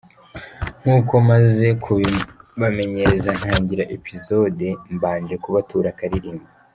Nk’uko maze kubibamenyereza ntangira episode, mbanje kubatura akaririmbo.